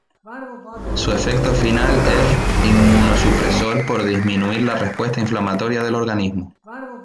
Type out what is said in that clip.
Su efecto final es inmunosupresor por disminuir la respuesta inflamatoria del organismo.